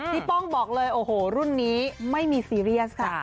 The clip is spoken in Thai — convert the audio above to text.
ป้องบอกเลยโอ้โหรุ่นนี้ไม่มีซีเรียสค่ะ